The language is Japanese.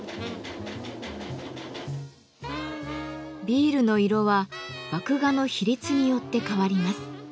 ビールの色は麦芽の比率によって変わります。